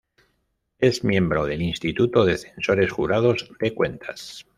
Es miembro del Instituto de Censores Jurados de Cuentas.